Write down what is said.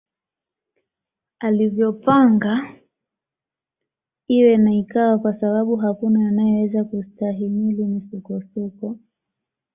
Alivyopanga iwe na ikawa kwasababu hakuna anayeweza kustahimili misukosuko